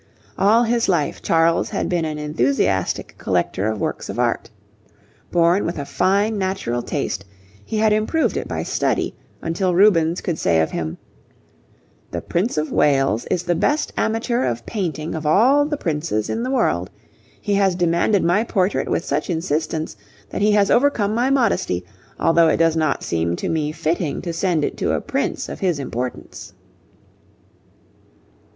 All his life Charles had been an enthusiastic collector of works of art. Born with a fine natural taste, he had improved it by study, until Rubens could say of him: 'The Prince of Wales is the best amateur of painting of all the princes in the world. He has demanded my portrait with such insistence that he has overcome my modesty, although it does not seem to me fitting to send it to a Prince of his importance.'